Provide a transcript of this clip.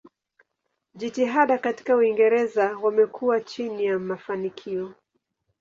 Jitihada katika Uingereza wamekuwa chini ya mafanikio.